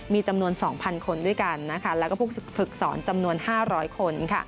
มีจำนวน๒๐๐คนด้วยกันแล้วก็ผู้ฝึกสอนจำนวน๕๐๐คน